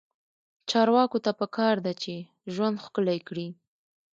چارواکو ته پکار ده چې، ژوند ښکلی کړي.